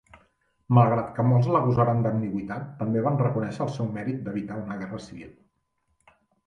Malgrat que molts l'acusaren d'ambigüitat, també van reconèixer el seu mèrit d'evitar una guerra civil.